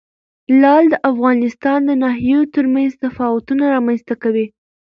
لعل د افغانستان د ناحیو ترمنځ تفاوتونه رامنځ ته کوي.